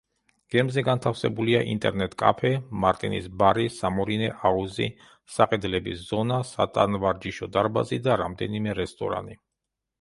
გემზე განთავსებულია ინტერნეტ-კაფე, მარტინის ბარი, სამორინე, აუზი, საყიდლების ზონა, სატანვარჯიშო დარბაზი და რამდენიმე რესტორანი.